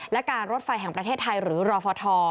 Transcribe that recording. และการรถไฟแห่งประเทศไทยหรือรอฟท